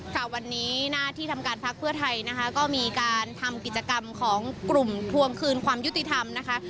ค่ะวันนี้หน้าที่ทำการพักเพื่อไทยนะคะก็มีการทำกิจกรรมของกลุ่มทวงคืนความยุติธรรมนะคะ